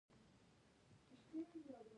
کرنه د اقتصادي انکشاف لپاره اوږدمهاله پانګونه ده.